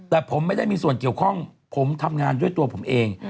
แต่ผมไม่ได้มีส่วนเกี่ยวข้องผมทำงานด้วยตัวผมเอง